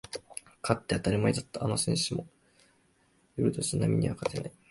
勝って当たり前だったあの選手も寄る年波には勝てない